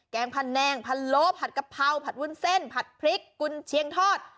งพันแนงพันโลผัดกะเพราผัดวุ้นเส้นผัดพริกกุญเชียงทอด